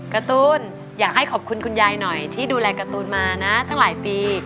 การ์ตูนอยากให้ขอบคุณคุณยายหน่อยที่ดูแลการ์ตูนมานะตั้งหลายปี